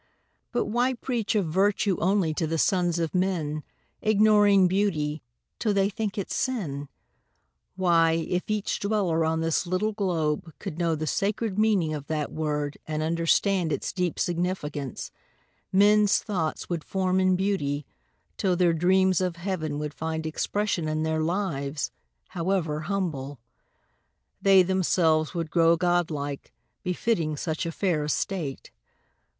But why preach Of virtue only to the sons of men, Ignoring beauty, till they think it sin? Why, if each dweller on this little globe Could know the sacred meaning of that word And understand its deep significance, Men's thoughts would form in beauty, till their dreams Of heaven would find expression in their lives, However humble; they themselves would grow Godlike, befitting such a fair estate.